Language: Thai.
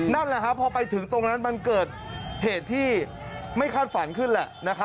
นั่นแหละครับพอไปถึงตรงนั้นมันเกิดเหตุที่ไม่คาดฝันขึ้นแหละ